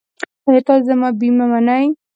ایا تاسو زما بیمه منئ؟